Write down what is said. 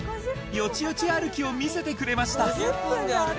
よちよち歩きを見せてくれました